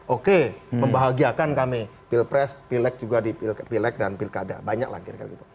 oke membahagiakan kami pilpres pilek juga di pilek dan pilkada banyak lah